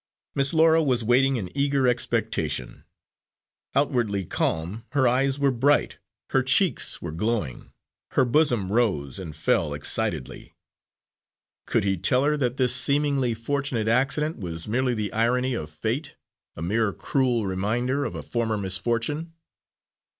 Miss Laura was waiting in eager expectation. Outwardly calm, her eyes were bright, her cheeks were glowing, her bosom rose and fell excitedly. Could he tell her that this seemingly fortunate accident was merely the irony of fate a mere cruel reminder of a former misfortune?